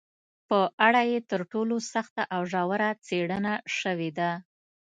په اړه یې تر ټولو سخته او ژوره څېړنه شوې ده